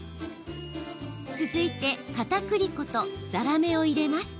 続いて、かたくり粉とざらめを入れます。